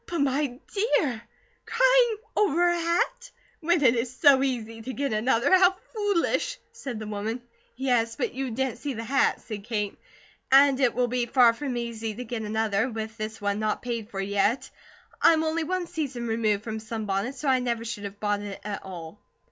"But, my dear! Crying over a hat? When it is so easy to get another? How foolish!" said the woman. "Yes, but you didn't see the hat," said Kate. "And it will be far from easy to get another, with this one not paid for yet. I'm only one season removed from sunbonnets, so I never should have bought it at all."